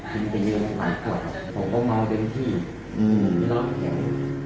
คือกินไปเย็นหลายปวดผมก็เมาเดินที่